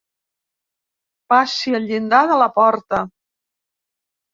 Passi el llindar de la porta.